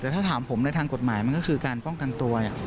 แต่ถ้าถามผมในทางกฎหมายมันก็คือการป้องกันตัว